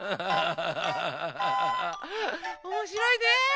おもしろいね。